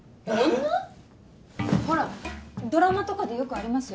ほらドラマとかでよくありますよ。